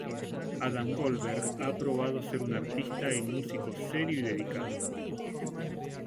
Adam Goldberg ha probado ser un artista y músico serio y dedicado.